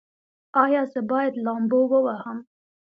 ایا زه باید لامبو ووهم؟